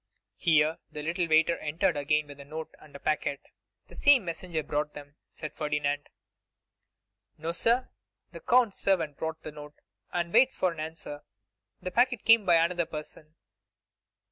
Here the little waiter entered again with a note and a packet. 'The same messenger brought them?' asked Ferdinand. 'No, sir; the Count's servant brought the note, and waits for an answer; the packet came by another person.